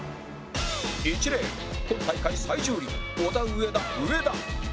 １レーン今大会最重量オダウエダ植田